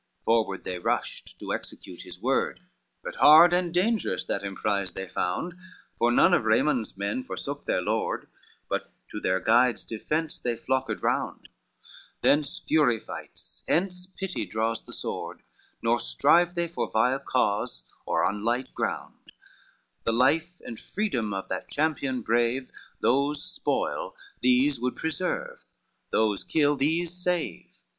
XLV Forward they rushed to execute his word, But hard and dangerous that emprise they found, For none of Raymond's men forsook their lord, But to their guide's defence they flocked round, Thence fury fights, hence pity draws the sword, Nor strive they for vile cause or on light ground, The life and freedom of that champion brave, Those spoil, these would preserve, those kill, these save.